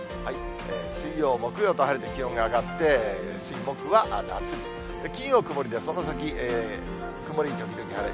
水曜、木曜と晴れて気温が上がって、水、木は夏日、金曜曇りで、その先、曇り時々晴れ。